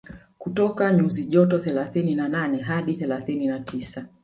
kutoka nyuzi joto thelathini na nane hadi thelathini na tisa